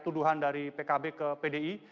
tuduhan dari pkb ke pdi